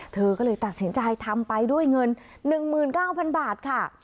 เธอก็เลยตัดสินใจทำไปด้วยเงิน๑๙๐๐บาทค่ะ